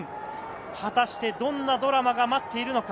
果たしてどんなドラマが待っているのか？